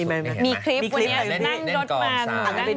มีคลิปอยู่นี่นั่งรถมัน